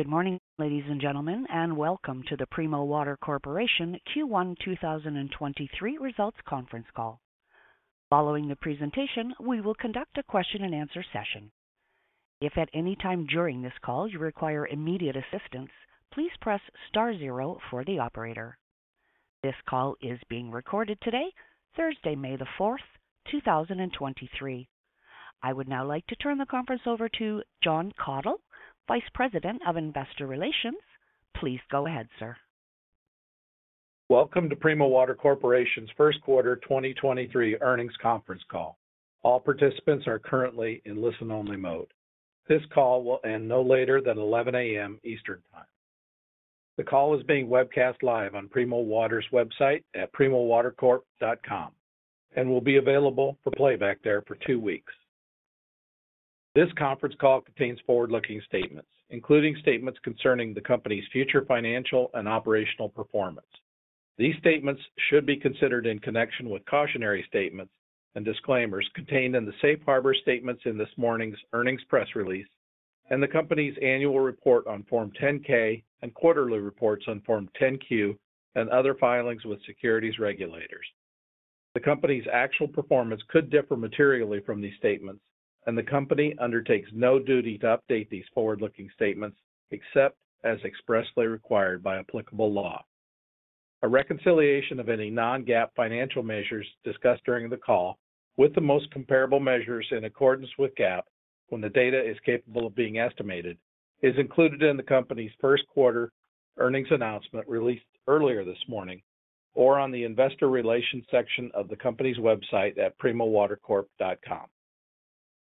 Good morning, ladies and gentlemen, welcome to the Primo Water Corporation Q1 2023 results conference call. Following the presentation, we will conduct a question-and-answer session. If at any time during this call you require immediate assistance, please press star zero for the operator. This call is being recorded today, Thursday, May the 4th, 2023. I would now like to turn the conference over to Jon Kathol, Vice President of Investor Relations. Please go ahead, sir. Welcome to Primo Water Corporation's first quarter 2023 earnings conference call. All participants are currently in listen-only mode. This call will end no later than 11:00 A.M. Eastern time. The call is being webcast live on Primo Water's website at primowatercorp.com and will be available for playback there for two weeks. This conference call contains forward-looking statements, including statements concerning the company's future financial and operational performance. These statements should be considered in connection with cautionary statements and disclaimers contained in the safe harbor statements in this morning's earnings press release and the company's annual report on Form 10-K and quarterly reports on Form 10-Q and other filings with securities regulators. The company's actual performance could differ materially from these statements, and the company undertakes no duty to update these forward-looking statements except as expressly required by applicable law. A reconciliation of any non-GAAP financial measures discussed during the call with the most comparable measures in accordance with GAAP when the data is capable of being estimated is included in the company's first quarter earnings announcement released earlier this morning or on the investor relations section of the company's website at primowatercorp.com.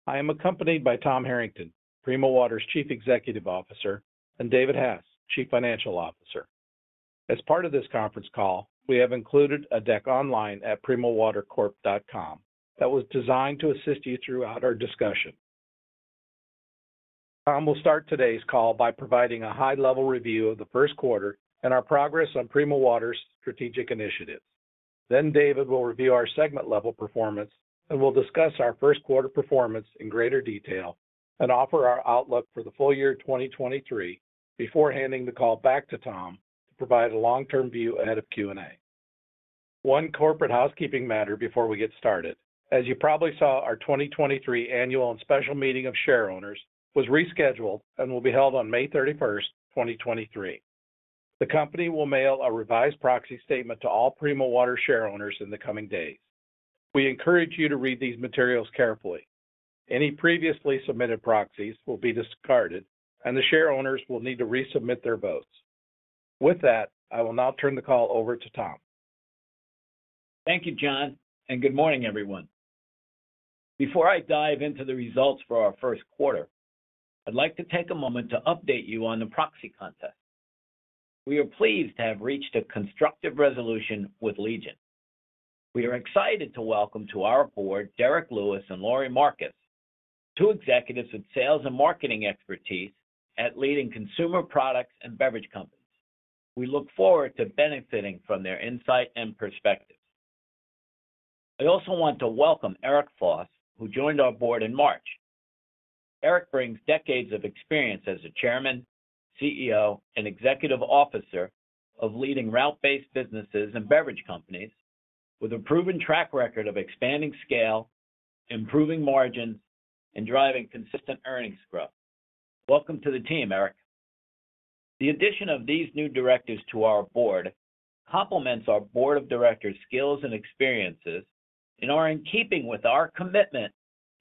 I am accompanied by Tom Harrington, Primo Water's Chief Executive Officer, and David Hass, Chief Financial Officer. As part of this conference call, we have included a deck online at primowatercorp.com that was designed to assist you throughout our discussion. Tom will start today's call by providing a high-level review of the first quarter and our progress on Primo Water's strategic initiatives. David will review our segment-level performance and will discuss our first quarter performance in greater detail and offer our outlook for the full year 2023 before handing the call back to Tom to provide a long-term view ahead of Q&A. One corporate housekeeping matter before we get started. As you probably saw, our 2023 annual and special meeting of shareowners was rescheduled and will be held on May 31st, 2023. The company will mail a revised proxy statement to all Primo Water shareowners in the coming days. We encourage you to read these materials carefully. Any previously submitted proxies will be discarded, and the shareowners will need to resubmit their votes. With that, I will now turn the call over to Tom. Thank you, John, good morning, everyone. Before I dive into the results for our first quarter, I'd like to take a moment to update you on the proxy contest. We are pleased to have reached a constructive resolution with Legion. We are excited to welcome to our board Derek R. Lewis and Lori Tauber Marcus, two executives with sales and marketing expertise at leading consumer products and beverage companies. We look forward to benefiting from their insight and perspective. I also want to welcome Eric Foss, who joined our board in March. Eric brings decades of experience as a chairman, CEO, and executive officer of leading route-based businesses and beverage companies with a proven track record of expanding scale, improving margins, and driving consistent earnings growth. Welcome to the team, Eric. The addition of these new directors to our board complements our board of directors' skills and experiences and are in keeping with our commitment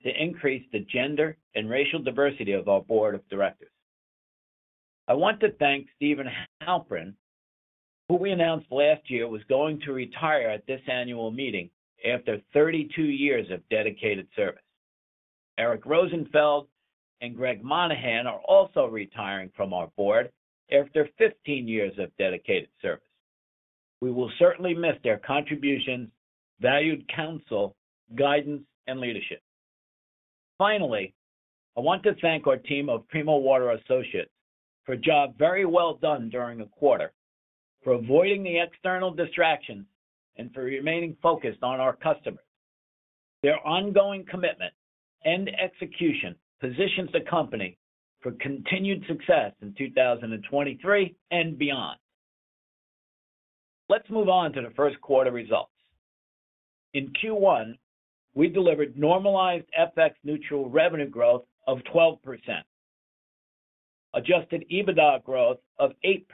to increase the gender and racial diversity of our board of directors. I want to thank Stephen Halperin, who we announced last year was going to retire at this annual meeting after 32 years of dedicated service. Eric Rosenfeld and Greg Monahan are also retiring from our board after 15 years of dedicated service. We will certainly miss their contributions, valued counsel, guidance, and leadership. Finally, I want to thank our team of Primo Water associates for a job very well done during the quarter, for avoiding the external distractions, and for remaining focused on our customers. Their ongoing commitment and execution positions the company for continued success in 2023 and beyond. Let's move on to the first quarter results. In Q1, we delivered normalized FX neutral revenue growth of 12%, adjusted EBITDA growth of 8%,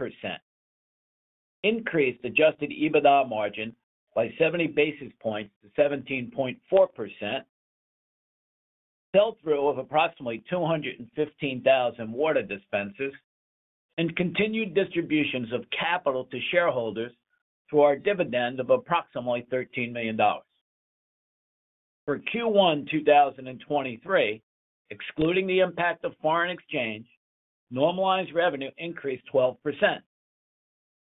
increased adjusted EBITDA margin by 70 basis points to 17.4%, sell-through of approximately 215,000 water dispensers, and continued distributions of capital to shareholders through our dividend of approximately $13 million. For Q1 2023, excluding the impact of foreign exchange, normalized revenue increased 12%.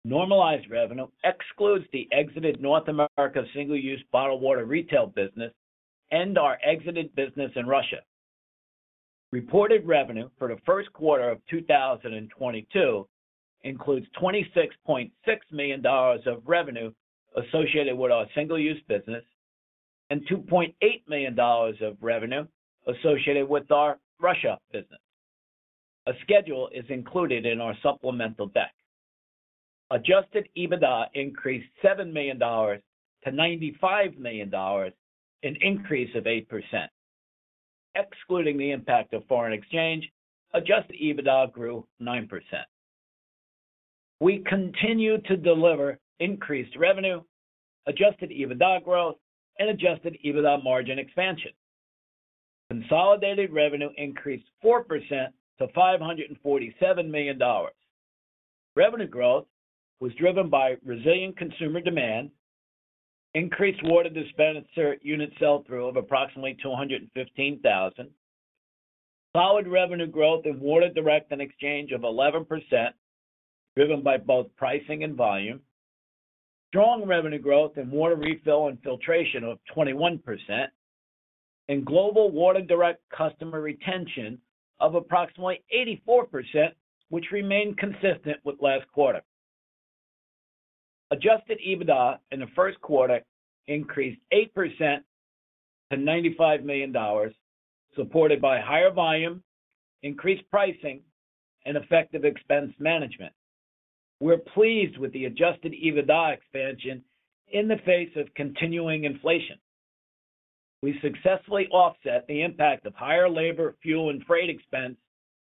Normalized revenue excludes the exited North America single-use bottled water retail business and our exited business in Russia. Reported revenue for the first quarter of 2022 includes $26.6 million of revenue associated with our single-use business. $2.8 million of revenue associated with our Russia business. A schedule is included in our supplemental deck. Adjusted EBITDA increased $7 million to $95 million, an increase of 8%. Excluding the impact of foreign exchange, adjusted EBITDA grew 9%. We continue to deliver increased revenue, adjusted EBITDA growth, and adjusted EBITDA margin expansion. Consolidated revenue increased 4% to $547 million. Revenue growth was driven by resilient consumer demand, increased water dispenser unit sell-through of approximately 215,000, solid revenue growth in Water Direct and Exchange of 11%, driven by both pricing and volume, strong revenue growth in Water Refill and filtration of 21%, and global Water Direct customer retention of approximately 84%, which remained consistent with last quarter. Adjusted EBITDA in the first quarter increased 8% to $95 million, supported by higher volume, increased pricing, and effective expense management. We're pleased with the adjusted EBITDA expansion in the face of continuing inflation. We successfully offset the impact of higher labor, fuel, and freight expense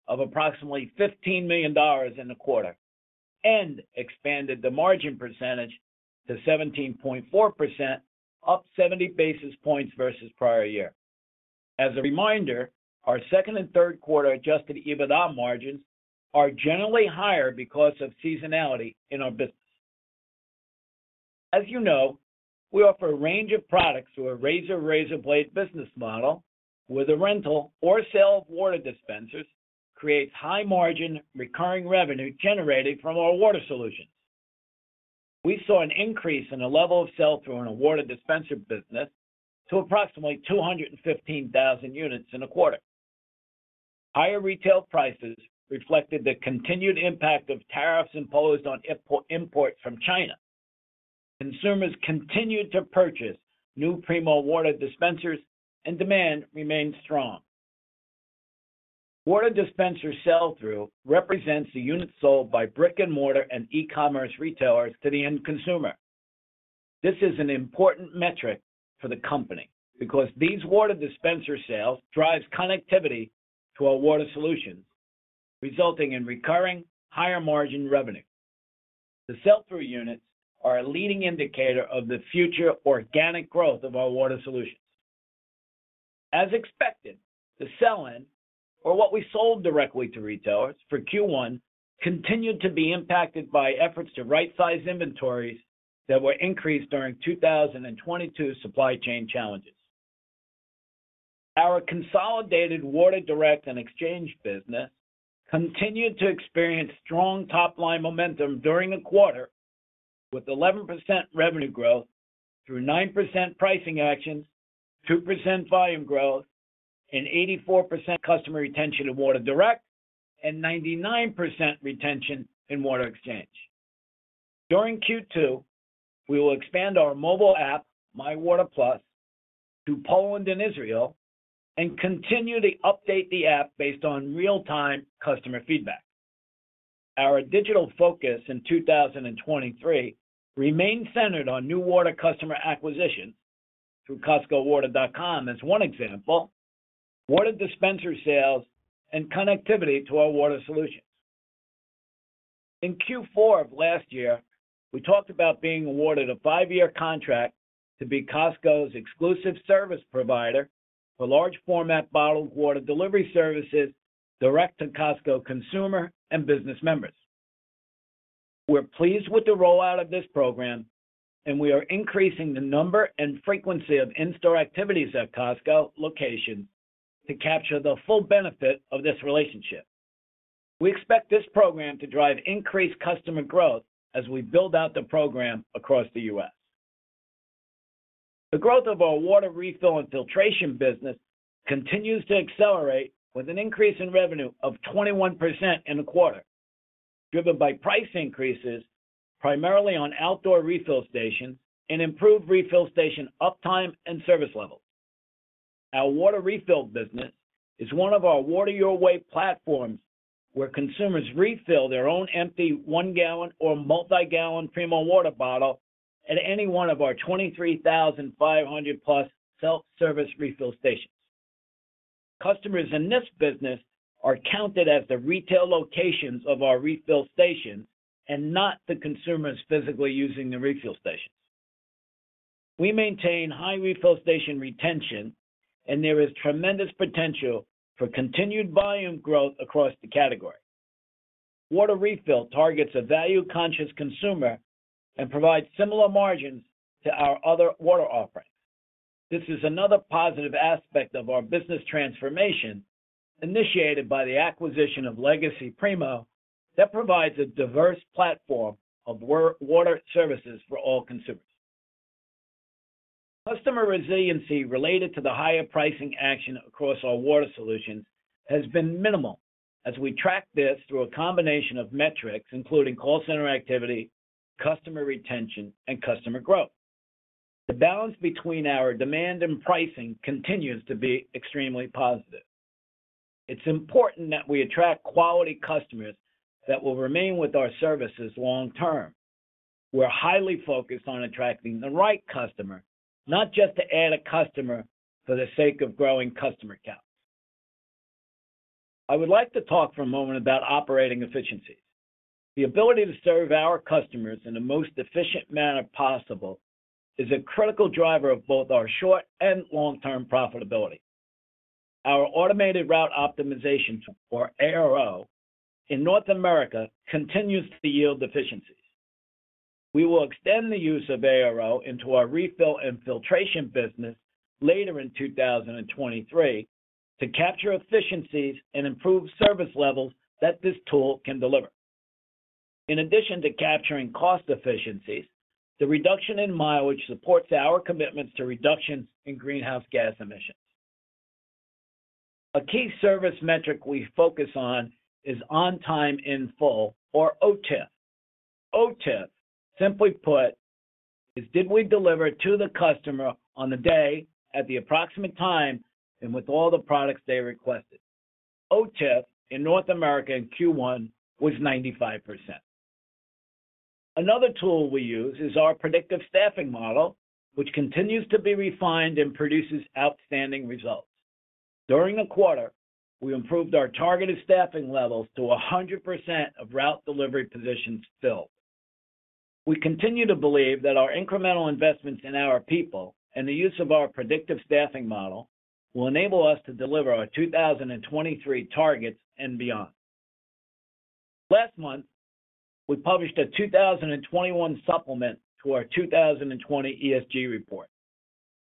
of approximately $15 million in the quarter and expanded the margin percentage to 17.4%, up 70 basis points versus prior year. As a reminder, our second and third quarter adjusted EBITDA margins are generally higher because of seasonality in our business. As you know, we offer a range of products through a razor-razor blade business model where the rental or sale of water dispensers creates high-margin recurring revenue generated from our water solutions. We saw an increase in the level of sell-through in our water dispenser business to approximately 215,000 units in the quarter. Higher retail prices reflected the continued impact of tariffs imposed on imports from China. Consumers continued to purchase new Primo Water dispensers and demand remained strong. Water dispenser sell-through represents the units sold by brick-and-mortar and e-commerce retailers to the end consumer. This is an important metric for the company because these water dispenser sales drives connectivity to our water solutions, resulting in recurring higher-margin revenue. The sell-through units are a leading indicator of the future organic growth of our water solutions. As expected, the sell-in, or what we sold directly to retailers for Q1, continued to be impacted by efforts to right-size inventories that were increased during 2022 supply chain challenges. Our consolidated Water Direct and Water Exchange business continued to experience strong top-line momentum during the quarter with 11% revenue growth through 9% pricing actions, 2% volume growth, and 84% customer retention in Water Direct and 99% retention in Water Exchange. During Q2, we will expand our mobile app, MyWater+, to Poland and Israel and continue to update the app based on real-time customer feedback. Our digital focus in 2023 remains centered on new water customer acquisition through CostcoWater.com as one example, water dispenser sales, and connectivity to our water solutions. In Q4 of last year, we talked about being awarded a five-year contract to be Costco's exclusive service provider for large format bottled water delivery services direct to Costco consumer and business members. We're pleased with the rollout of this program, and we are increasing the number and frequency of in-store activities at Costco locations to capture the full benefit of this relationship. We expect this program to drive increased customer growth as we build out the program across the U.S. The growth of our Water Refill and filtration business continues to accelerate with an increase in revenue of 21% in the quarter, driven by price increases primarily on outdoor refill stations and improved refill station uptime and service levels. Our Water Refill business is one of our Water Your Way platforms where consumers refill their own empty 1-gallon or multi-gallon Primo Water bottle at any one of our 23,500 plus self-service refill stations. Customers in this business are counted as the retail locations of our refill stations and not the consumers physically using the refill stations. We maintain high refill station retention. There is tremendous potential for continued volume growth across the category. Water Refill targets a value-conscious consumer and provides similar margins to our other water offerings. This is another positive aspect of our business transformation initiated by the acquisition of Legacy Primo that provides a diverse platform of water services for all consumers. Customer resiliency related to the higher pricing action across our water solutions has been minimal. As we track this through a combination of metrics, including call center activity, customer retention, and customer growth. The balance between our demand and pricing continues to be extremely positive. It's important that we attract quality customers that will remain with our services long term. We're highly focused on attracting the right customer, not just to add a customer for the sake of growing customer counts. I would like to talk for a moment about operating efficiencies. The ability to serve our customers in the most efficient manner possible is a critical driver of both our short and long-term profitability. Our automated route optimization tool, or ARO, in North America continues to yield efficiencies. We will extend the use of ARO into our refill and filtration business later in 2023 to capture efficiencies and improve service levels that this tool can deliver. In addition to capturing cost efficiencies, the reduction in mileage supports our commitments to reductions in greenhouse gas emissions. A key service metric we focus on is on-time in-full, or OTIF. OTIF, simply put, is did we deliver to the customer on the day at the approximate time and with all the products they requested? OTIF in North America in Q1 was 95%. Another tool we use is our predictive staffing model, which continues to be refined and produces outstanding results. During the quarter, we improved our targeted staffing levels to 100 of route delivery positions filled. We continue to believe that our incremental investments in our people and the use of our predictive staffing model will enable us to deliver our 2023 targets and beyond. Last month, we published a 2021 supplement to our 2020 ESG report.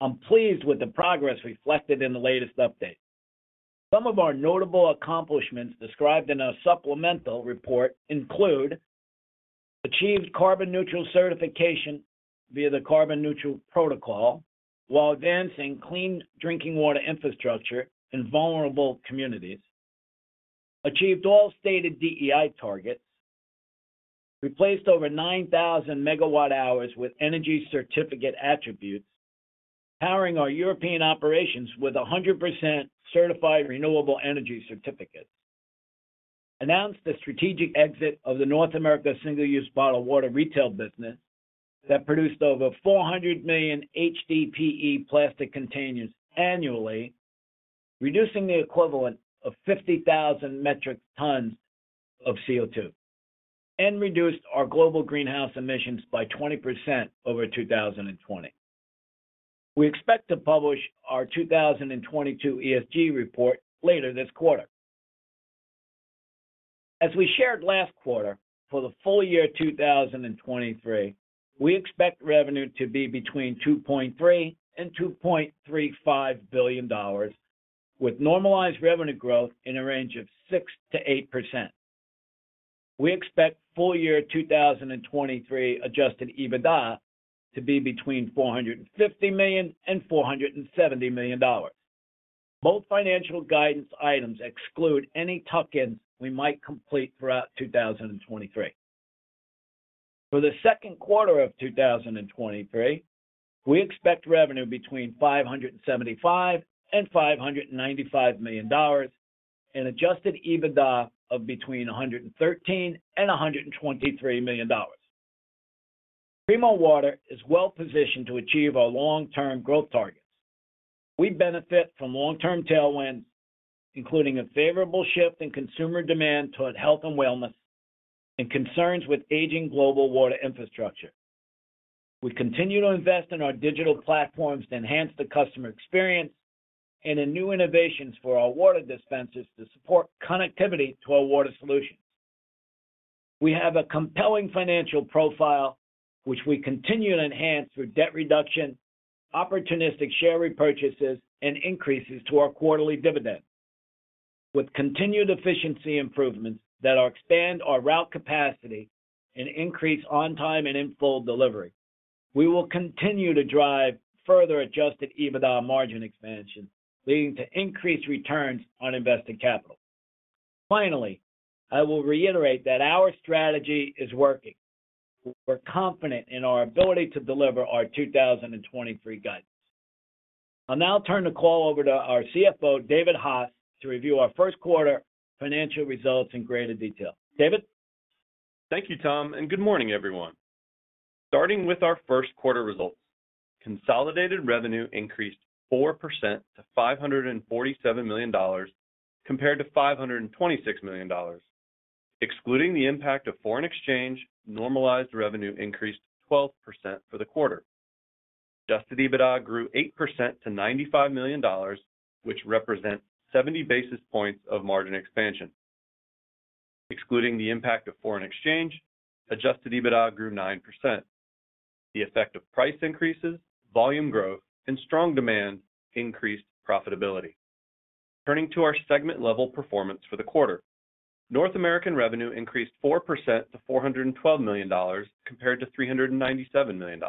I'm pleased with the progress reflected in the latest update. Some of our notable accomplishments described in our supplemental report include achieved carbon-neutral certification via The CarbonNeutral Protocol while advancing clean drinking water infrastructure in vulnerable communities. Achieved all stated DEI targets. Replaced over 9,000 MWh with energy certificate attributes, powering our European operations with 100% certified renewable energy certificates. Announced the strategic exit of the North America single-use bottled water retail business that produced over 400 million HDPE plastic containers annually, reducing the equivalent of 50,000 metric tons of CO2, and reduced our global greenhouse emissions by 20% over 2020. We expect to publish our 2022 ESG report later this quarter. As we shared last quarter, for the full year 2023, we expect revenue to be between $2.3 billion and $2.35 billion, with normalized revenue growth in a range of 6%-8%. We expect full year 2023 adjusted EBITDA to be between $450 million and $470 million. Both financial guidance items exclude any tuck-ins we might complete throughout 2023. For the second quarter of 2023, we expect revenue between $575 million and $595 million and adjusted EBITDA of between $113 million and $123 million. Primo Water is well-positioned to achieve our long-term growth targets. We benefit from long-term tailwinds, including a favorable shift in consumer demand toward health and wellness and concerns with aging global water infrastructure. We continue to invest in our digital platforms to enhance the customer experience and in new innovations for our water dispensers to support connectivity to our water solutions. We have a compelling financial profile, which we continue to enhance through debt reduction, opportunistic share repurchases, and increases to our quarterly dividend. With continued efficiency improvements that expand our route capacity and increase on-time and in-full delivery, we will continue to drive further adjusted EBITDA margin expansion, leading to increased returns on investing capital. I will reiterate that our strategy is working. We're confident in our ability to deliver our 2023 guidance. I'll now turn the call over to our CFO, David Hass, to review our first quarter financial results in greater detail. David? Thank you, Tom. Good morning, everyone. Starting with our first quarter results, consolidated revenue increased 4% to $547 million, compared to $526 million. Excluding the impact of foreign exchange, normalized revenue increased 12% for the quarter. adjusted EBITDA grew 8% to $95 million, which represents 70 basis points of margin expansion. Excluding the impact of foreign exchange, adjusted EBITDA grew 9%. The effect of price increases, volume growth, and strong demand increased profitability. Turning to our segment-level performance for the quarter, North American revenue increased 4% to $412 million, compared to $397 million.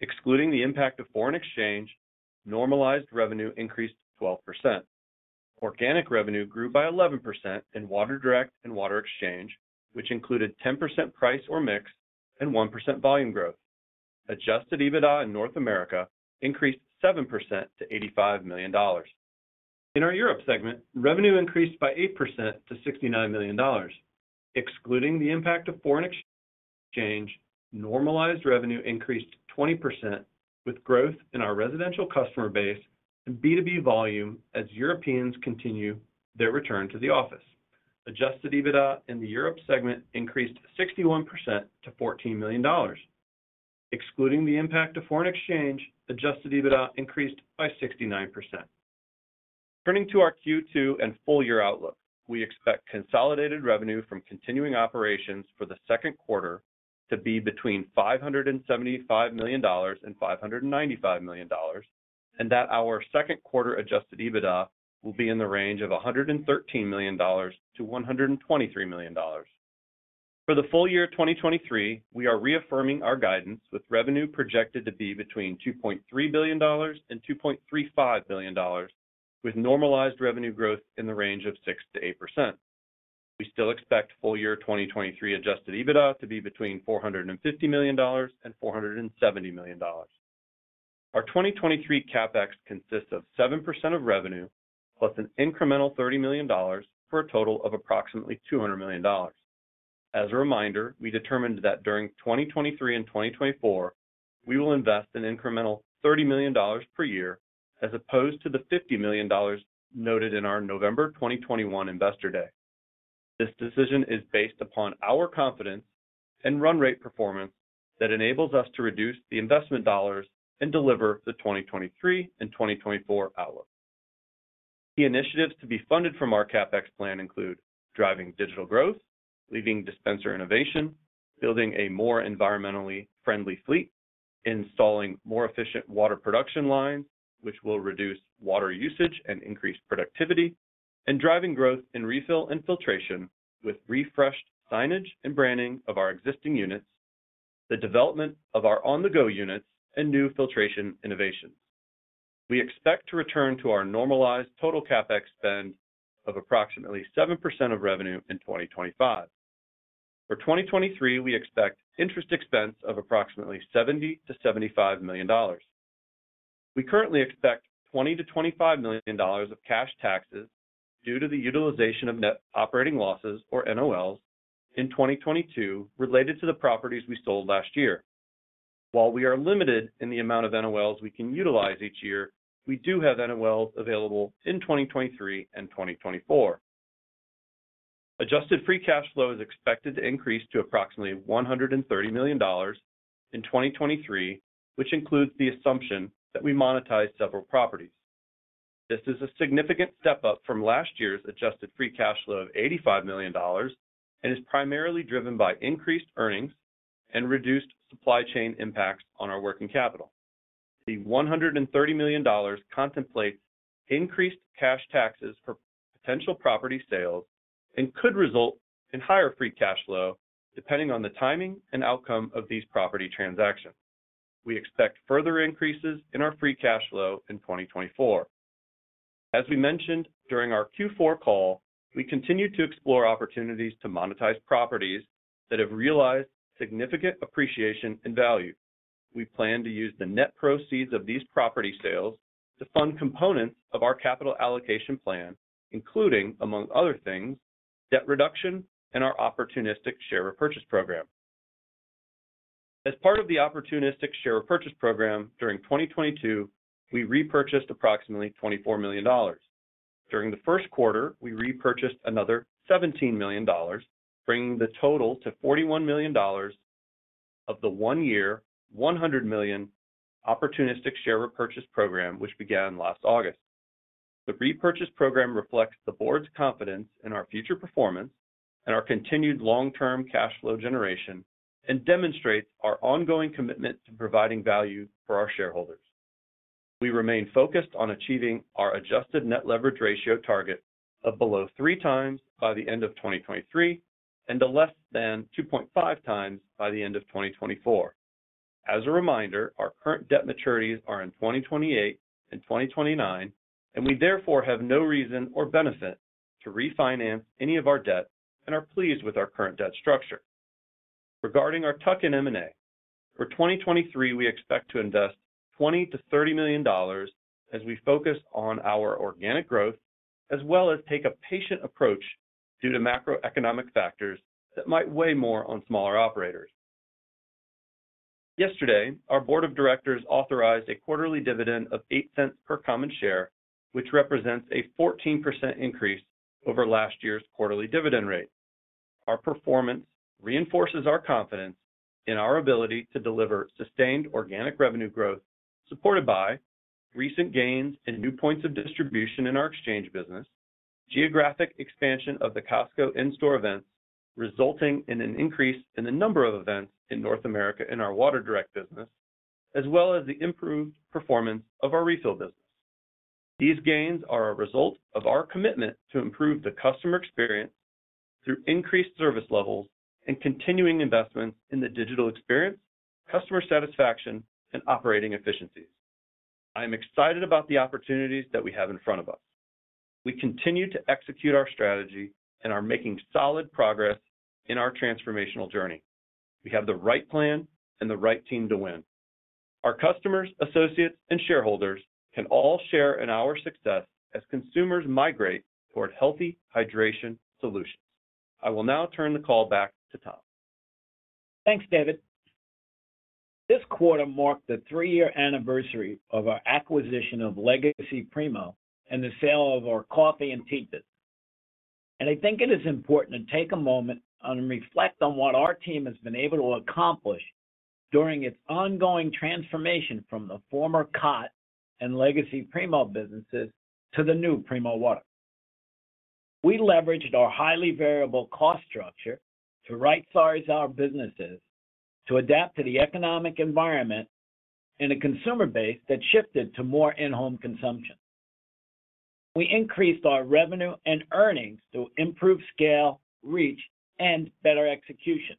Excluding the impact of foreign exchange, normalized revenue increased 12%. Organic revenue grew by 11% in Water Direct and Water Exchange, which included 10% price or mix and 1% volume growth. Adjusted EBITDA in North America increased 7% to $85 million. In our Europe segment, revenue increased by 8% to $69 million. Excluding the impact of foreign exchange, normalized revenue increased 20% with growth in our residential customer base and B2B volume as Europeans continue their return to the office. Adjusted EBITDA in the Europe segment increased 61% to $14 million. Excluding the impact of foreign exchange, Adjusted EBITDA increased by 69%. Turning to our Q2 and full year outlook, we expect consolidated revenue from continuing operations for the second quarter to be between $575 million and $595 million, and that our second quarter Adjusted EBITDA will be in the range of $113 million to $123 million. For the full year of 2023, we are reaffirming our guidance with revenue projected to be between $2.3 billion and $2.35 billion, with normalized revenue growth in the range of 6%-8%. We still expect full year 2023 adjusted EBITDA to be between $450 million and $470 million. Our 2023 CapEx consists of 7% of revenue, plus an incremental $30 million for a total of approximately $200 million. As a reminder, we determined that during 2023 and 2024, we will invest an incremental $30 million per year as opposed to the $50 million noted in our November 2021 Investor Day. This decision is based upon our confidence and run rate performance that enables us to reduce the investment dollars and deliver the 2023 and 2024 outlook. Key initiatives to be funded from our CapEx plan include driving digital growth, leading dispenser innovation, building a more environmentally friendly fleet, installing more efficient water production lines, which will reduce water usage and increase productivity, and driving growth in refill and filtration with refreshed signage and branding of our existing units, the development of our on-the-go units and new filtration innovations. We expect to return to our normalized total CapEx spend of approximately 7% of revenue in 2025. For 2023, we expect interest expense of approximately $70 million-$75 million. We currently expect $20 million-$25 million of cash taxes due to the utilization of Net Operating Losses or NOLs in 2022 related to the properties we sold last year. While we are limited in the amount of NOLs we can utilize each year, we do have NOLs available in 2023 and 2024. adjusted free cash flow is expected to increase to approximately $130 million in 2023, which includes the assumption that we monetize several properties. This is a significant step up from last year's adjusted free cash flow of $85 million and is primarily driven by increased earnings and reduced supply chain impacts on our working capital. The $130 million contemplates increased cash taxes for potential property sales and could result in higher free cash flow depending on the timing and outcome of these property transactions. We expect further increases in our free cash flow in 2024. As we mentioned during our Q4 call, we continue to explore opportunities to monetize properties that have realized significant appreciation and value. We plan to use the net proceeds of these property sales to fund components of our capital allocation plan, including, among other things, debt reduction and our opportunistic share repurchase program. As part of the opportunistic share purchase program, during 2022, we repurchased approximately $24 million. During the first quarter, we repurchased another $17 million, bringing the total to $41 million of the one year, $100 million opportunistic share repurchase program, which began last August. The repurchase program reflects the board's confidence in our future performance and our continued long-term cash flow generation and demonstrates our ongoing commitment to providing value for our shareholders. We remain focused on achieving our adjusted net leverage ratio target of below 3x by the end of 2023 and to less than 2.5x by the end of 2024. As a reminder, our current debt maturities are in 2028 and 2029, and we therefore have no reason or benefit to refinance any of our debt and are pleased with our current debt structure. Regarding our tuck-in M&A, for 2023, we expect to invest $20 million-$30 million as we focus on our organic growth as well as take a patient approach due to macroeconomic factors that might weigh more on smaller operators. Yesterday, our board of directors authorized a quarterly dividend of $0.08 per common share, which represents a 14% increase over last year's quarterly dividend rate. Our performance reinforces our confidence in our ability to deliver sustained organic revenue growth supported by recent gains and new points of distribution in our exchange business, geographic expansion of the Costco in-store events resulting in an increase in the number of events in North America in our Water Direct business, as well as the improved performance of the refill business. These gains are a result of our commitment to improve the customer experience through increased service levels and continuing investments in the digital experience, customer satisfaction, and operating efficiencies. I am excited about the opportunities that we have in front of us. We continue to execute our strategy and are making solid progress in our transformational journey. We have the right plan and the right team to win. Our customers, associates, and shareholders can all share in our success as consumers migrate toward healthy hydration solutions. I will now turn the call back to Tom. Thanks, David. This quarter marked the three-year anniversary of our acquisition of Legacy Primo and the sale of our coffee and tea business. I think it is important to take a moment and reflect on what our team has been able to accomplish during its ongoing transformation from the former Cott and Legacy Primo businesses to the new Primo Water. We leveraged our highly variable cost structure to right-size our businesses to adapt to the economic environment in a consumer base that shifted to more in-home consumption. We increased our revenue and earnings through improved scale, reach, and better execution.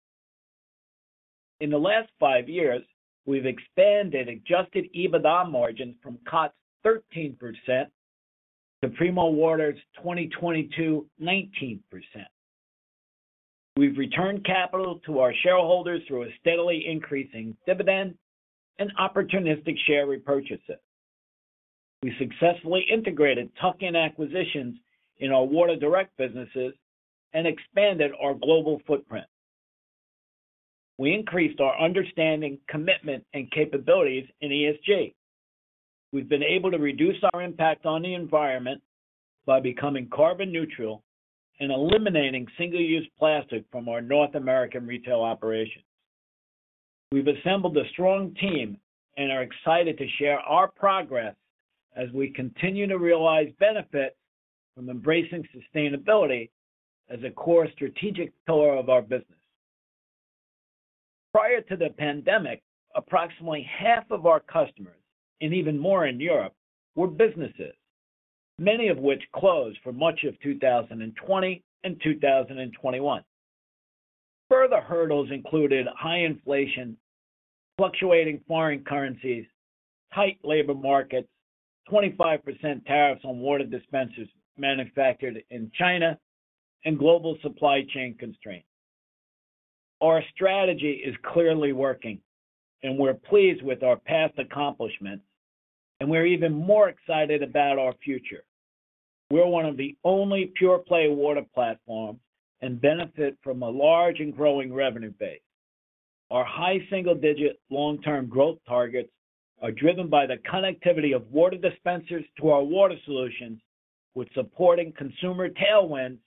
In the last 5 years, we've expanded adjusted EBITDA margins from Cott's 13% to Primo Water's 2022 19%. We've returned capital to our shareholders through a steadily increasing dividend and opportunistic share repurchases. We successfully integrated tuck-in acquisitions in our Water Direct businesses and expanded our global footprint. We increased our understanding, commitment, and capabilities in ESG. We've been able to reduce our impact on the environment by becoming carbon neutral and eliminating single-use plastic from our North American retail operations. We've assembled a strong team and are excited to share our progress as we continue to realize benefit from embracing sustainability as a core strategic pillar of our business. Prior to the pandemic, approximately half of our customers, and even more in Europe, were businesses, many of which closed for much of 2020 and 2021. Further hurdles included high inflation, fluctuating foreign currencies, tight labor markets, 25% tariffs on water dispensers manufactured in China, and global supply chain constraints. Our strategy is clearly working, and we're pleased with our past accomplishments, and we're even more excited about our future. We're one of the only pure-play water platforms and benefit from a large and growing revenue base. Our high single-digit long-term growth targets are driven by the connectivity of water dispensers to our water solutions, with supporting consumer tailwinds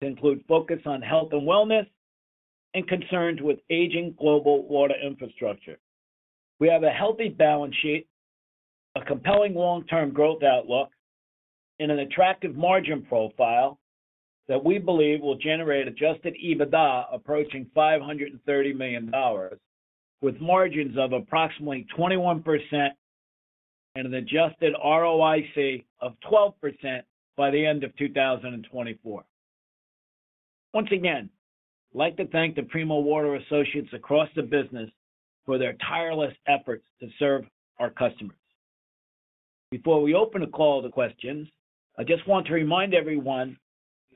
that include focus on health and wellness and concerns with aging global water infrastructure. We have a healthy balance sheet, a compelling long-term growth outlook, and an attractive margin profile that we believe will generate adjusted EBITDA approaching $530 million, with margins of approximately 21% and an adjusted ROIC of 12% by the end of 2024. Once again, I'd like to thank the Primo Water associates across the business for their tireless efforts to serve our customers. Before we open the call to questions, I just want to remind everyone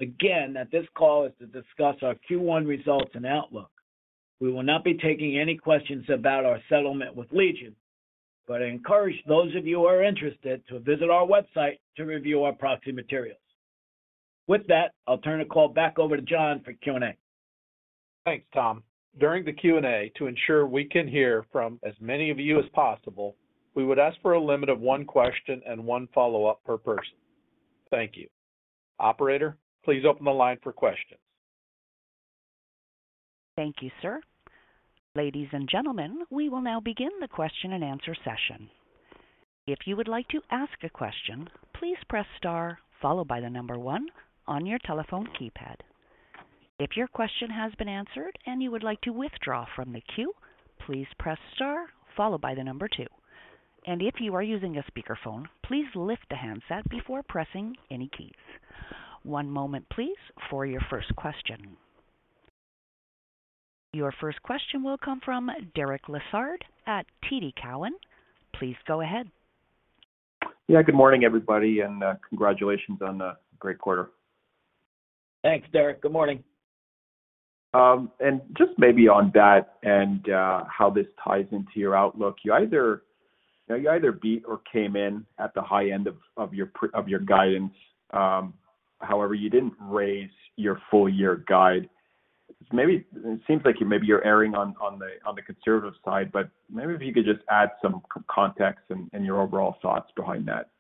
again that this call is to discuss our Q1 results and outlook. We will not be taking any questions about our settlement with Legion, but I encourage those of you who are interested to visit our website to review our proxy materials. With that, I'll turn the call back over to John for Q&A. Thanks, Tom. During the Q&A, to ensure we can hear from as many of you as possible, we would ask for a limit of one question and one follow-up per person. Thank you. Operator, please open the line for questions. Thank you, sir. Ladies and gentlemen, we will now begin the question-and-answer session. If you would like to ask a question, please press star followed by the number one on your telephone keypad. If your question has been answered and you would like to withdraw from the queue, please press star followed by the number two. If you are using a speakerphone, please lift the handset before pressing any keys. One moment, please, for your first question. Your first question will come from Derek Lessard at TD Cowen. Please go ahead. Yeah, good morning, everybody, and congratulations on a great quarter. Thanks, Derek. Good morning. Just maybe on that and how this ties into your outlook, you know, you either beat or came in at the high end of your guidance. However, you didn't raise your full-year guide. Maybe it seems like maybe you're erring on the conservative side, but maybe if you could just add some context and your overall thoughts behind that?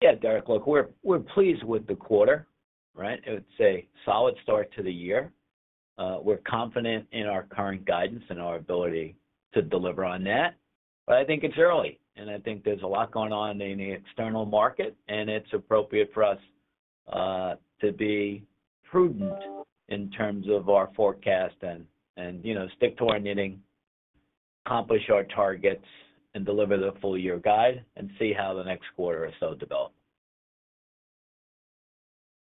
Yeah, Derek, look, we're pleased with the quarter, right? It's a solid start to the year. We're confident in our current guidance and our ability to deliver on that. I think it's early, and I think there's a lot going on in the external market, and it's appropriate for us to be prudent in terms of our forecast and, you know, stick to our knittingAccomplish our targets and deliver the full year guide and see how the next quarter or so develop.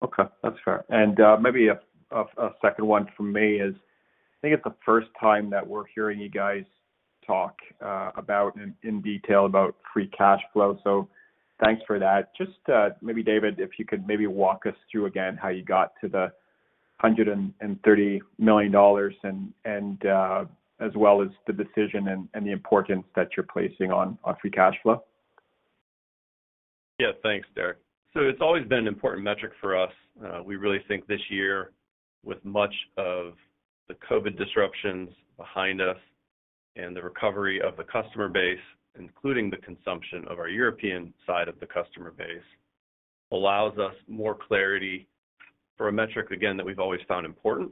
Okay, that's fair. Maybe a second one from me is, I think it's the first time that we're hearing you guys talk about in detail about free cash flow. Thanks for that. Just maybe David, if you could maybe walk us through again how you got to the $130 million and as well as the decision and the importance that you're placing on free cash flow. Thanks, Derek. It's always been an important metric for us. We really think this year, with much of the COVID disruptions behind us and the recovery of the customer base, including the consumption of our European side of the customer base, allows us more clarity for a metric, again, that we've always found important.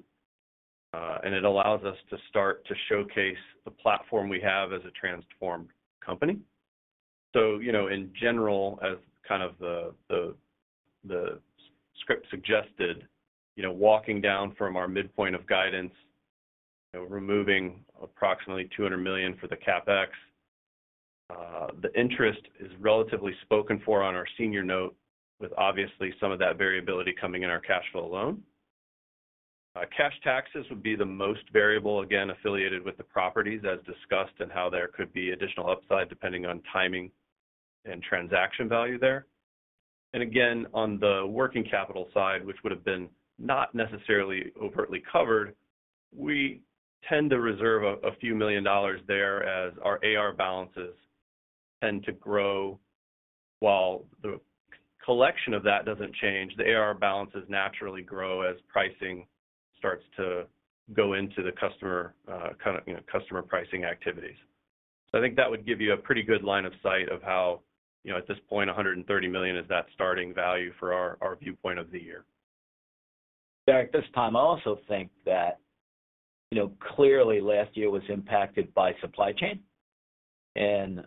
And it allows us to start to showcase the platform we have as a transformed company. In general, as kind of the, the script suggested, walking down from our midpoint of guidance, removing approximately $200 million for the CapEx. The interest is relatively spoken for on our senior note, with obviously some of that variability coming in our cash flow loan. Cash taxes would be the most variable, again, affiliated with the properties as discussed and how there could be additional upside depending on timing and transaction value there. Again, on the working capital side, which would've been not necessarily overtly covered, we tend to reserve a few million dollars there as our AR balances tend to grow. While the collection of that doesn't change, the AR balances naturally grow as pricing starts to go into the customer, kind of, you know, customer pricing activities. I think that would give you a pretty good line of sight of how, you know, at this point, $130 million is that starting value for our viewpoint of the year. Derek, this time I also think that, you know, clearly last year was impacted by supply chain and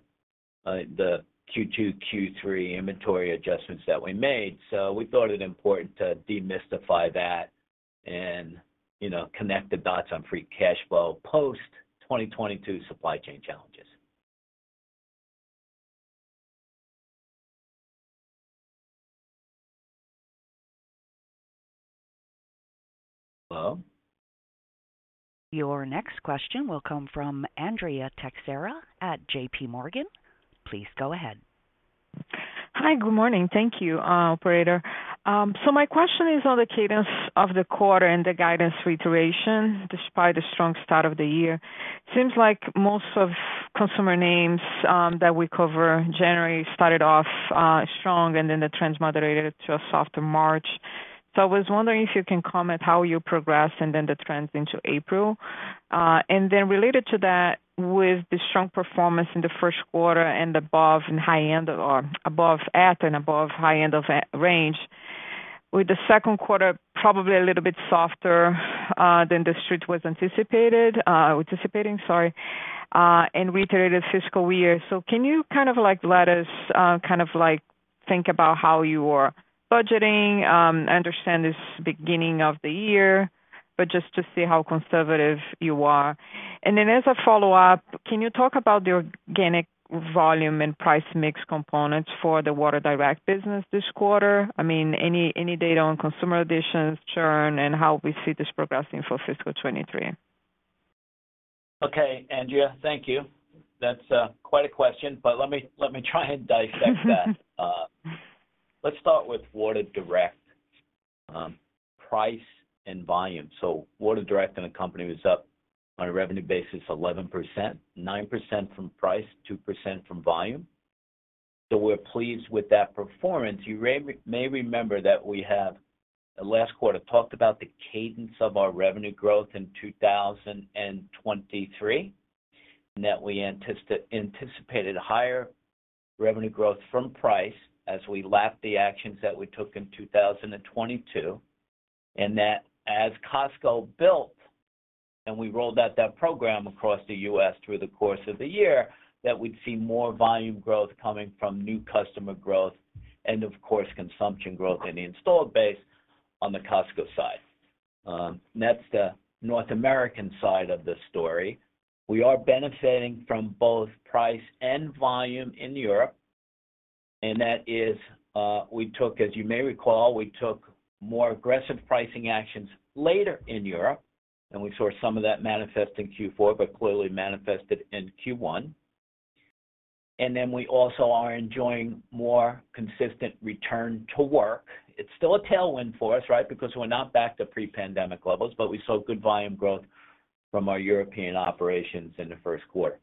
the Q2, Q3 inventory adjustments that we made. We thought it important to demystify that and, you know, connect the dots on free cash flow post-2022 supply chain challenges. Hello? Your next question will come from Andrea Teixeira at J.P. Morgan. Please go ahead. Hi. Good morning. Thank you, operator. My question is on the cadence of the quarter and the guidance reiteration despite the strong start of the year. Seems like most of customer names that we cover generally started off strong and then the trends moderated to a softer March. I was wondering if you can comment how you progressed and then the trends into April. Related to that, with the strong performance in the first quarter and at and above high end of that range, with the second quarter probably a little bit softer than the Street was anticipated, sorry, and reiterated fiscal year. Can you kind of like let us, kind of like think about how you are budgeting, understand this beginning of the year, but just to see how conservative you are. As a follow-up, can you talk about the organic volume and price mix components for the Water Direct business this quarter? I mean, any data on consumer additions, churn, and how we see this progressing for fiscal 2023. Okay, Andrea Teixeira, thank you. That's quite a question, but let me try and dissect that. Let's start with Water Direct, price and volume. Water Direct in the company was up on a revenue basis 11%, 9% from price, 2% from volume. We're pleased with that performance. You may remember that we have, last quarter, talked about the cadence of our revenue growth in 2023, and that we anticipated higher revenue growth from price as we lapped the actions that we took in 2022. As Costco built and we rolled out that program across the U.S. through the course of the year, that we'd see more volume growth coming from new customer growth and of course, consumption growth in the installed base on the Costco side. That's the North American side of the story. We are benefiting from both price and volume in Europe, and that is, we took, as you may recall, we took more aggressive pricing actions later in Europe, and we saw some of that manifest in Q4, but clearly manifested in Q1. We also are enjoying more consistent return to work. It's still a tailwind for us, right? Because we're not back to pre-pandemic levels, but we saw good volume growth from our European operations in the first quarter.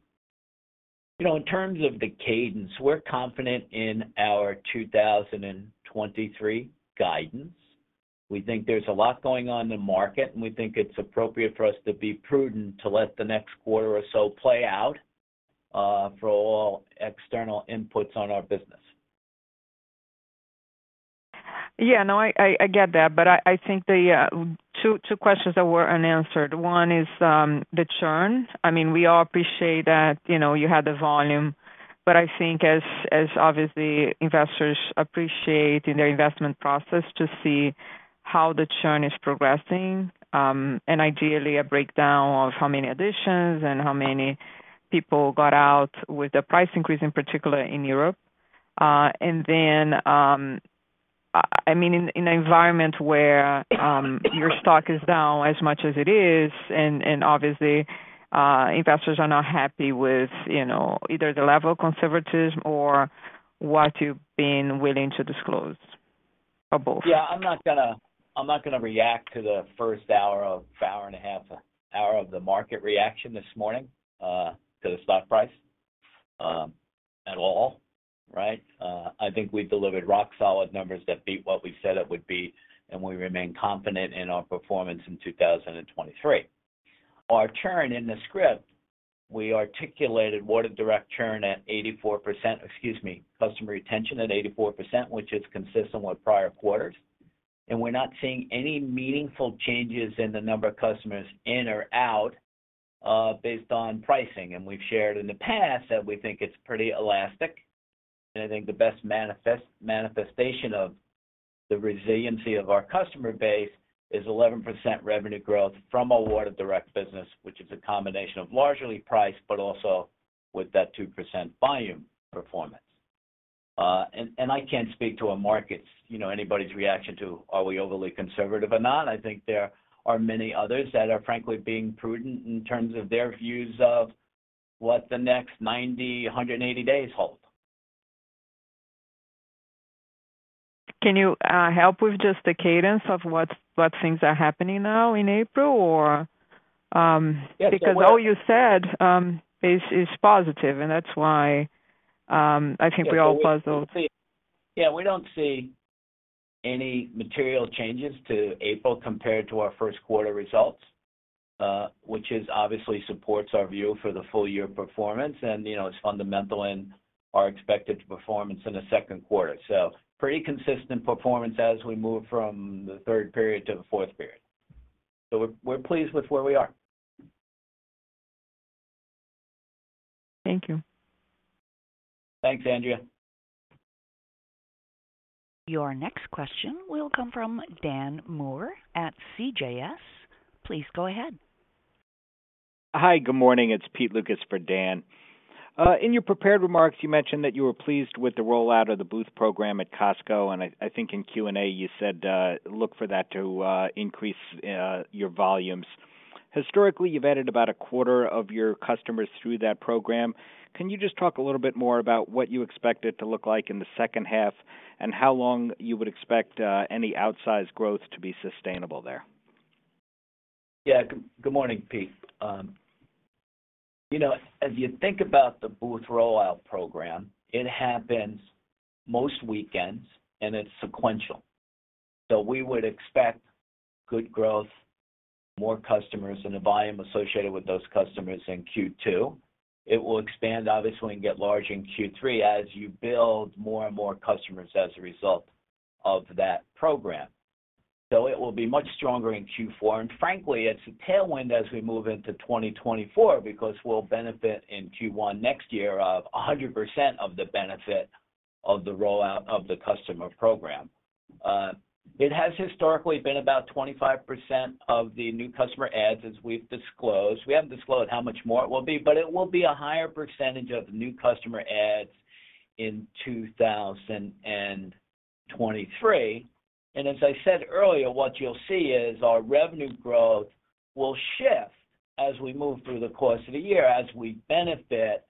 You know, in terms of the cadence, we're confident in our 2023 guidance. We think there's a lot going on in the market, and we think it's appropriate for us to be prudent to let the next quarter or so play out, for all external inputs on our business. No, I get that, I think the two questions that were unanswered. One is the churn. I mean, we all appreciate that, you know, you had the volume, I think as obviously investors appreciate in their investment process to see how the churn is progressing, and ideally a breakdown of how many additions and how many people got out with the price increase, in particular in Europe. Then, I mean, in an environment where your stock is down as much as it is, and obviously investors are not happy with, you know, either the level of conservatism or what you've been willing to disclose, or both. Yeah. I'm not gonna react to the first hour of... hour and a half, hour of the market reaction this morning to the stock price at all, right? I think we delivered rock-solid numbers that beat what we said it would be, we remain confident in our performance in 2023. Our churn in the script, we articulated what a direct churn at 84%... excuse me, customer retention at 84%, which is consistent with prior quarters. We're not seeing any meaningful changes in the number of customers in or out based on pricing. We've shared in the past that we think it's pretty elastic. I think the best manifestation of the resiliency of our customer base is 11% revenue growth from our direct business, which is a combination of largely price, but also with that 2% volume performance. I can't speak to a market's, you know, anybody's reaction to are we overly conservative or not. I think there are many others that are frankly being prudent in terms of their views of what the next 90, 180 days hold. Can you help with just the cadence of what things are happening now in April? Or? Yeah. All you said, is positive, and that's why, I think we're all puzzled. Yeah. We don't see any material changes to April compared to our first quarter results, which is obviously supports our view for the full year performance. You know, it's fundamental and are expected to performance in the second quarter. Pretty consistent performance as we move from the third period to the fourth period. We're pleased with where we are. Thank you. Thanks, Andrea. Your next question will come from Dan Moore at CJS. Please go ahead. Hi. Good morning. It's Pete Lukas for Dan. In your prepared remarks, you mentioned that you were pleased with the rollout of the Booth program at Costco, and I think in Q&A you said, look for that to increase your volumes. Historically, you've added about a quarter of your customers through that program. Can you just talk a little bit more about what you expect it to look like in the second half and how long you would expect any outsized growth to be sustainable there? Yeah. Good morning, Pete. You know, as you think about the Booth rollout program, it happens most weekends and it's sequential. We would expect good growth, more customers and the volume associated with those customers in Q2. It will expand obviously and get large in Q3 as you build more and more customers as a result of that program. It will be much stronger in Q4. Frankly, it's a tailwind as we move into 2024 because we'll benefit in Q1 next year of 100% of the benefit of the rollout of the customer program. It has historically been about 25% of the new customer adds, as we've disclosed. We haven't disclosed how much more it will be, but it will be a higher percentage of new customer adds in 2023. As I said earlier, what you'll see is our revenue growth will shift as we move through the course of the year as we benefit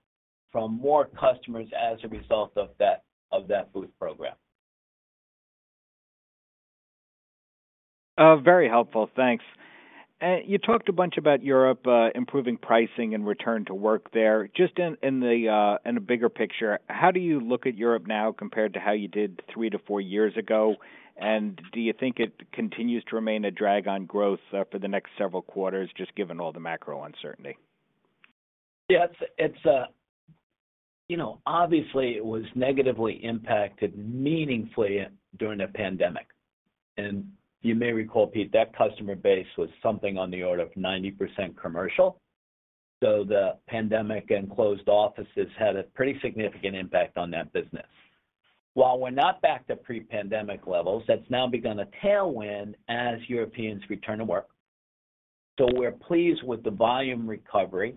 from more customers as a result of that, of that Booth program. Very helpful. Thanks. You talked a bunch about Europe, improving pricing and return to work there. Just in the, in a bigger picture, how do you look at Europe now compared to how you did 3 to 4 years ago? Do you think it continues to remain a drag on growth for the next several quarters, just given all the macro uncertainty? It's, you know, obviously it was negatively impacted meaningfully during the pandemic. You may recall, Pete, that customer base was something on the order of 90% commercial. The pandemic and closed offices had a pretty significant impact on that business. While we're not back to pre-pandemic levels, that's now begun a tailwind as Europeans return to work. We're pleased with the volume recovery.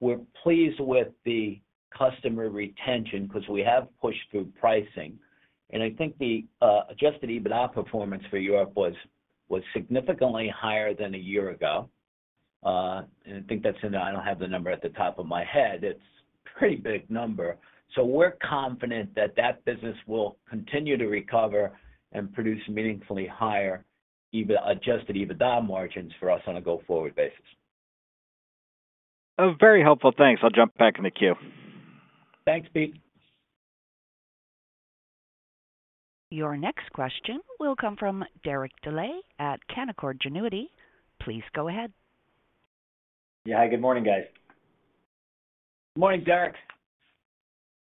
We're pleased with the customer retention because we have pushed through pricing. I think the adjusted EBITDA performance for Europe was significantly higher than a year ago. I don't have the number at the top of my head. It's pretty big number. We're confident that that business will continue to recover and produce meaningfully higher adjusted EBITDA margins for us on a go-forward basis. Oh, very helpful. Thanks. I'll jump back in the queue. Thanks, Pete. Your next question will come from Derek Dley at Canaccord Genuity. Please go ahead. Yeah. Good morning, guys. Morning, Derek.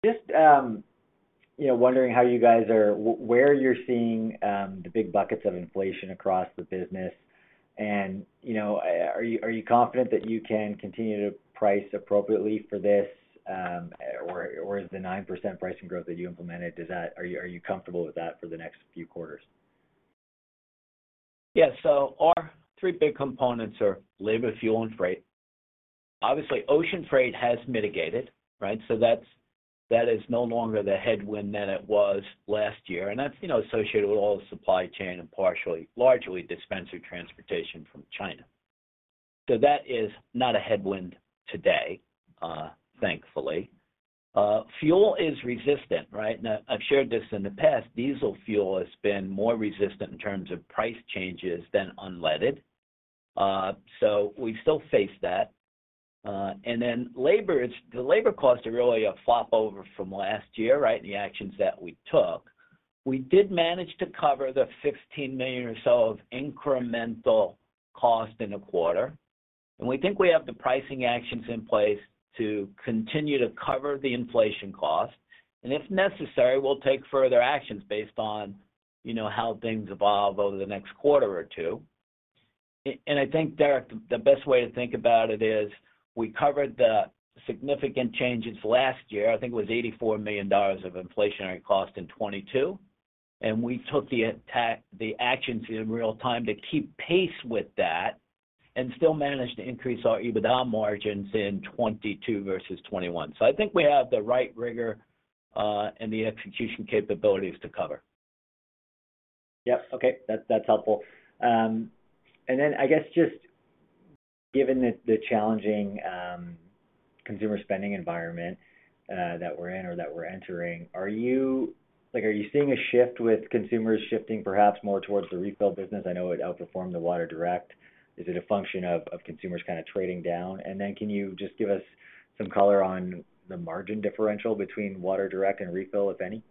Just, you know, wondering how you guys are where you're seeing the big buckets of inflation across the business? You know, are you confident that you can continue to price appropriately for this, or is the 9% pricing growth that you implemented, are you comfortable with that for the next few quarters? Our three big components are labor, fuel, and freight. Obviously, ocean freight has mitigated, right? That is no longer the headwind that it was last year, and that's, you know, associated with all the supply chain and partially, largely dispenser transportation from China. That is not a headwind today, thankfully. Fuel is resistant, right? Now, I've shared this in the past, diesel fuel has been more resistant in terms of price changes than unleaded. We still face that. Then the labor costs are really a flop over from last year, right? The actions that we took. We did manage to cover the $16 million or so of incremental cost in the quarter, and we think we have the pricing actions in place to continue to cover the inflation cost. If necessary, we'll take further actions based on, you know, how things evolve over the next quarter or two. I think, Derek, the best way to think about it is we covered the significant changes last year, I think it was $84 million of inflationary cost in 2022, and we took the actions in real time to keep pace with that and still managed to increase our EBITDA margins in 2022 versus 2021. I think we have the right rigor and the execution capabilities to cover. Yep. Okay. That's helpful. I guess just given the challenging consumer spending environment that we're in or that we're entering, like, are you seeing a shift with consumers shifting perhaps more towards the Water Refill business? I know it outperformed the Water Direct. Is it a function of consumers kind of trading down? Can you just give us some color on the margin differential between Water Direct and Water Refill, if any?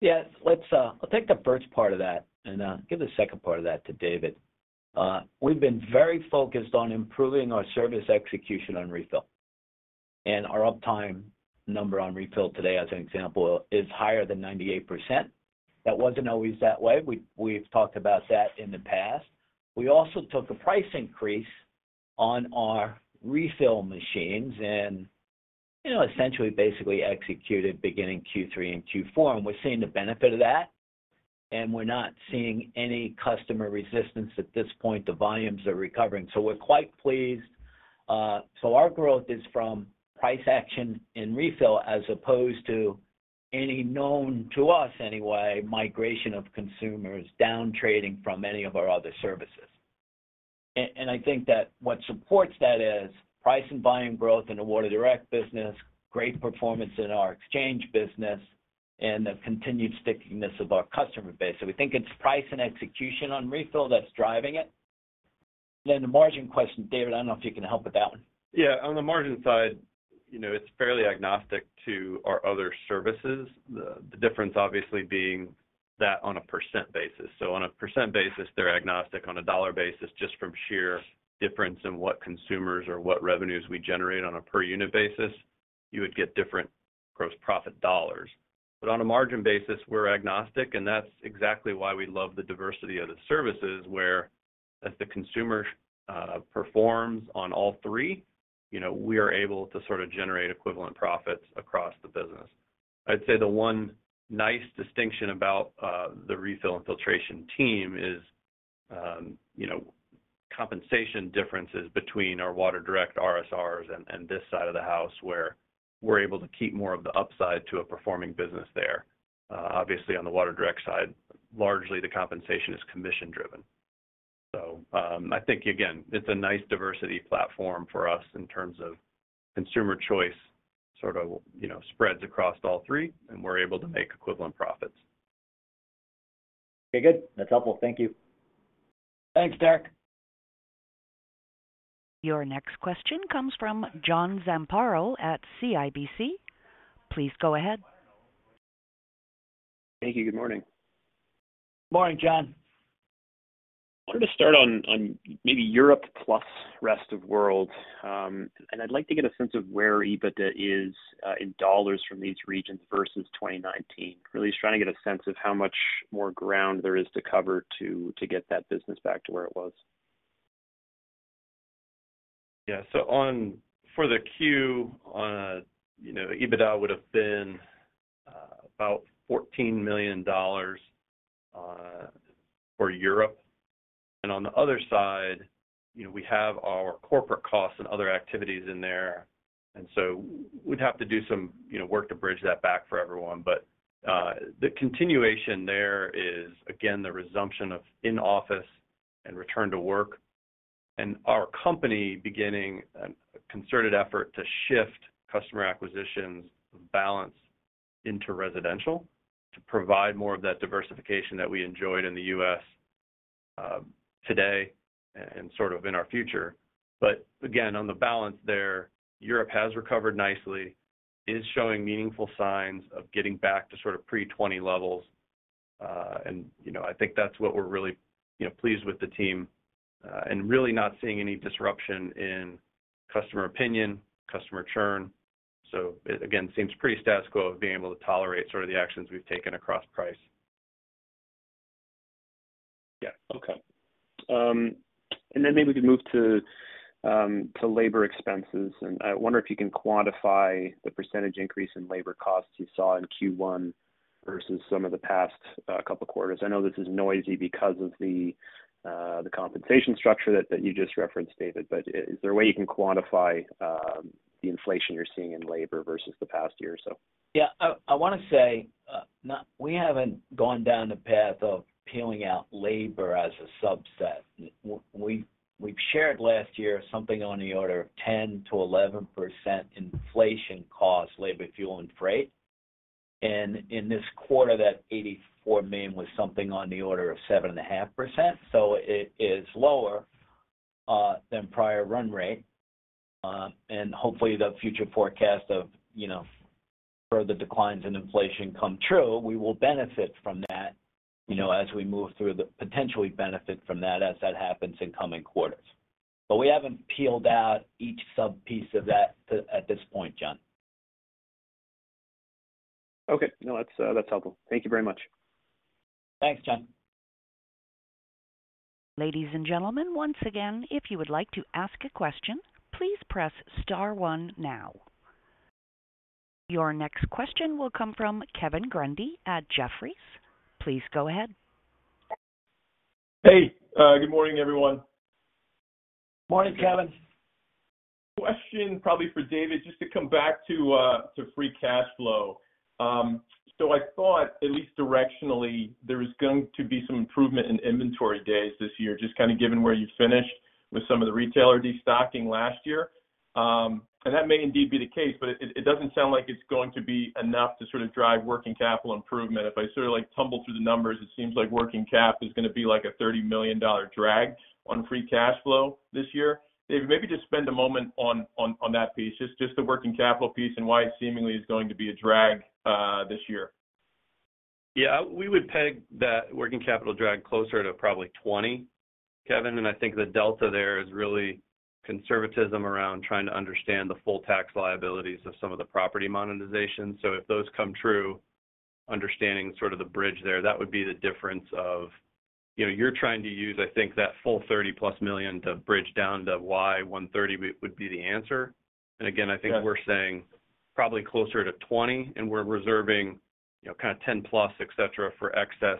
Yes. Let's I'll take the first part of that and give the second part of that to David. We've been very focused on improving our service execution on refill. Our uptime number on refill today, as an example, is higher than 98%. That wasn't always that way. We've talked about that in the past. We also took a price increase on our refill machines and, you know, essentially basically executed beginning Q3 and Q4, and we're seeing the benefit of that, and we're not seeing any customer resistance at this point. The volumes are recovering, so we're quite pleased. Our growth is from price action in refill as opposed to any known, to us anyway, migration of consumers down trading from any of our other services. I think that what supports that is price and volume growth in the Water Direct business, great performance in our exchange business, and the continued stickiness of our customer base. We think it's price and execution on refill that's driving it. The margin question, David, I don't know if you can help with that one. On the margin side, you know, it's fairly agnostic to our other services. The difference obviously being that on a % basis. On a % basis, they're agnostic. On a dollar basis, just from sheer difference in what consumers or what revenues we generate on a per unit basis, you would get different gross profit dollars. On a margin basis, we're agnostic, and that's exactly why we love the diversity of the services where as the consumer performs on all three, you know, we are able to sort of generate equivalent profits across the business. I'd say the one nice distinction about the refill and filtration team is, you know, compensation differences between our Water Direct RSRs and this side of the house where we're able to keep more of the upside to a performing business there. obviously on the Water Direct side, largely the compensation is commission-driven. I think again, it's a nice diversity platform for us in terms of consumer choice, sort of, you know, spreads across all three, and we're able to make equivalent profits. Okay, good. That's helpful. Thank you. Thanks, Derek. Your next question comes from John Zamparo at CIBC. Please go ahead. Thank you. Good morning. Good morning, John. I wanted to start on maybe Europe plus rest of world. I'd like to get a sense of where EBITDA is in dollars from these regions versus 2019. Really just trying to get a sense of how much more ground there is to cover to get that business back to where it was. For the Q, you know, EBITDA would have been about $14 million for Europe. On the other side, you know, we have our corporate costs and other activities in there, we'd have to do some, you know, work to bridge that back for everyone. The continuation there is again, the resumption of in-office and return to work, and our company beginning a concerted effort to shift customer acquisitions balance into residential to provide more of that diversification that we enjoyed in the U.S. today and sort of in our future. Again, on the balance there, Europe has recovered nicely. It is showing meaningful signs of getting back to sort of pre-2020 levels. you know, I think that's what we're really, you know, pleased with the team, and really not seeing any disruption in customer opinion, customer churn. It again seems pretty status quo of being able to tolerate sort of the actions we've taken across price. Yeah. Okay. Then maybe we can move to labor expenses. I wonder if you can quantify the percentage increase in labor costs you saw in Q1 versus some of the past two quarters. I know this is noisy because of the compensation structure that you just referenced, David, but is there a way you can quantify, the inflation you're seeing in labor versus the past year or so? I wanna say, we haven't gone down the path of peeling out labor as a subset. We've shared last year something on the order of 10%-11% inflation costs, labor, fuel, and freight. In this quarter, that $84 million was something on the order of 7.5%. It is lower than prior run rate, and hopefully the future forecast of, you know, further declines in inflation come true, we will benefit from that, you know, as we move through the potentially benefit from that as that happens in coming quarters. We haven't peeled out each subpiece of that at this point, John. Okay. No, that's helpful. Thank you very much. Thanks, John. Ladies and gentlemen, once again, if you would like to ask a question, please press star one now. Your next question will come from Kevin Grundy at Jefferies. Please go ahead. Hey, good morning, everyone. Morning, Kevin. Question probably for David, just to come back to free cash flow. I thought at least directionally, there was going to be some improvement in inventory days this year, just kinda given where you finished with some of the retailer destocking last year. That may indeed be the case, but it doesn't sound like it's going to be enough to sort of drive working capital improvement. If I sorta like tumble through the numbers, it seems like working cap is gonna be like a $30 million drag on free cash flow this year. David, maybe just spend a moment on that piece, just the working capital piece and why it seemingly is going to be a drag this year? Yeah. We would peg that working capital drag closer to probably $20, Kevin. I think the delta there is really conservatism around trying to understand the full tax liabilities of some of the property monetizations. If those come true, understanding sort of the bridge there, that would be the difference of, you know, you're trying to use, I think, that full $30+ million to bridge down to why $130 would be the answer. Again, I think we're saying probably closer to $20, and we're reserving, you know, kinda $10+, et cetera, for excess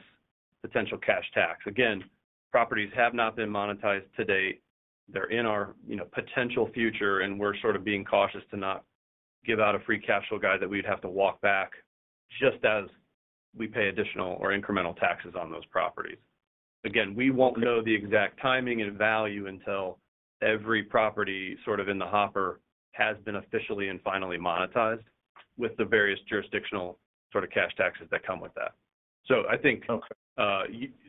potential cash tax. Again, properties have not been monetized to date. They're in our, you know, potential future, and we're sort of being cautious to not give out a free cash flow guide that we'd have to walk back just as we pay additional or incremental taxes on those properties. We won't know the exact timing and value until every property sort of in the hopper has been officially and finally monetized with the various jurisdictional sorta cash taxes that come with that. Okay.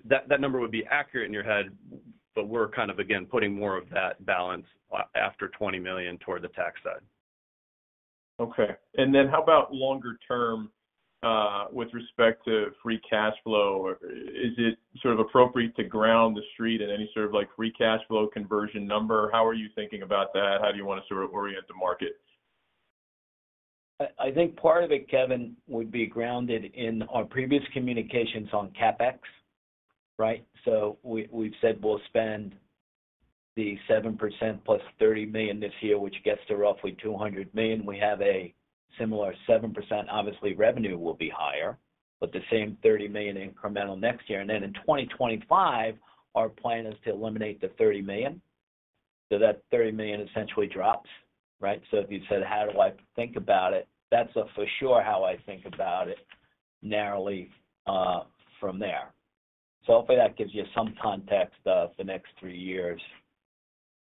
That number would be accurate in your head, but we're kind of, again, putting more of that balance after $20 million toward the tax side. Okay. Then how about longer term, with respect to free cash flow? Is it sort of appropriate to ground the street at any sort of, like, free cash flow conversion number? How are you thinking about that? How do you wanna sort of orient the market? I think part of it, Kevin, would be grounded in our previous communications on CapEx, right? We've said we'll spend the 7% plus $30 million this year, which gets to roughly $200 million. We have a similar 7%. Obviously, revenue will be higher, but the same $30 million incremental next year. Then in 2025, our plan is to eliminate the $30 million. That $30 million essentially drops, right? If you said, "How do I think about it?" That's for sure how I think about it narrowly from there. Hopefully that gives you some context of the next 3 years,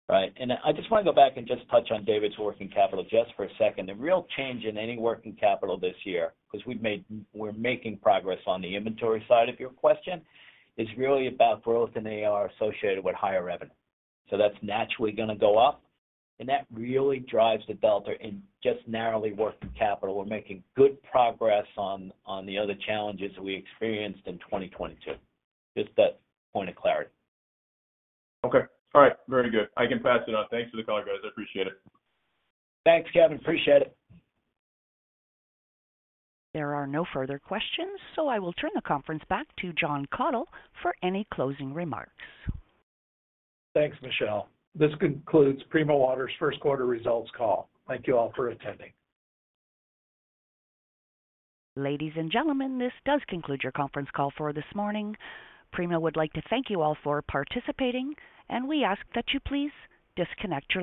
right? I just wanna go back and just touch on David's working capital just for a second. The real change in any working capital this year, 'cause we're making progress on the inventory side of your question, is really about growth in AR associated with higher revenue. That's naturally gonna go up, and that really drives the delta in just narrowly working capital. We're making good progress on the other challenges we experienced in 2022. Just that point of clarity. Okay. All right. Very good. I can pass it on. Thanks for the call, guys. I appreciate it. Thanks, Kevin. Appreciate it. There are no further questions, so I will turn the conference back to Jon Kathol for any closing remarks. Thanks, Michelle. This concludes Primo Water's first quarter results call. Thank you all for attending. Ladies and gentlemen, this does conclude your conference call for this morning. Primo would like to thank you all for participating, and we ask that you please disconnect your lines.